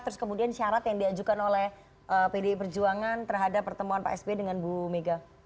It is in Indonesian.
terus kemudian syarat yang diajukan oleh pdi perjuangan terhadap pertemuan pak sby dengan bu mega